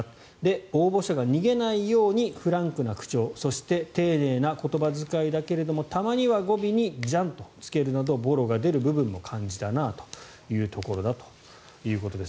応募者が逃げないようにフランクな口調そして丁寧な言葉遣いだけれどもたまには語尾に「じゃん」とつけるなどぼろが出る部分も感じたなというところだということです。